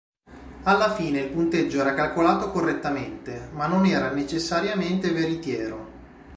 Alla fine il punteggio era calcolato correttamente, ma non era necessariamente veritiero.